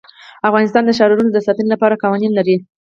افغانستان د ښارونه د ساتنې لپاره قوانین لري.